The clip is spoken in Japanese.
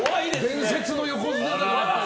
伝説の横綱だ。